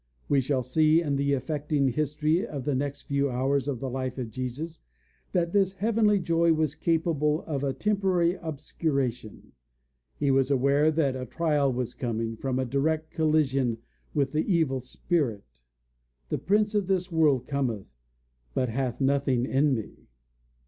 We shall see in the affecting history of the next few hours of the life of Jesus that this heavenly joy was capable of a temporary obscuration. He was aware that a trial was coming from a direct collision with the Evil Spirit. "The Prince of this world cometh, but hath nothing in me."